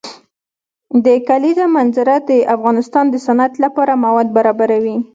د کلیزو منظره د افغانستان د صنعت لپاره مواد برابروي.